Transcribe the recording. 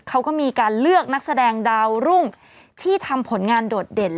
เขาก็มีการเลือกนักแสดงดาวรุ่งที่ทำผลงานโดดเด่น